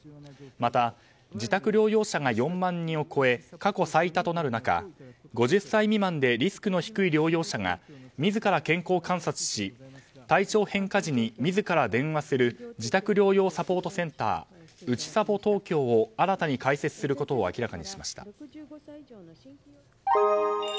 また、自宅療養者が４万人を超え過去最多となる中５０歳未満でリスクの低い療養者が自ら健康観察し、体調変化時に自ら電話する自宅療養サポートセンターうちさぽ東京を新たに開設することを明らかにしました。